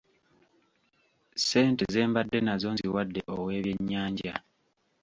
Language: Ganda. Ssente ze mbadde nazo nziwadde ow'ebyennyanja.